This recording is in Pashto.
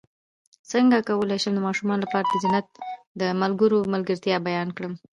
څنګه کولی شم د ماشومانو لپاره د جنت د ملګرو ملګرتیا بیان کړم